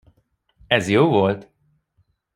Ez jó volt.